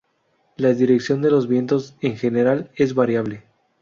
La dirección de los vientos en general es variable.